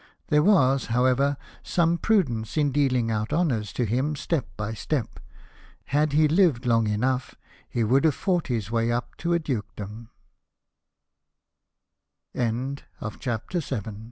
There was, however, some prudence in dealing out honours to him step by step : had he lived long enough, he Avould have fought his way up to a